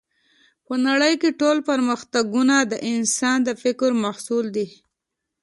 په نړۍ کې ټول پرمختګونه د انسان د فکر محصول دی